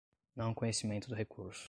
não conhecimento do recurso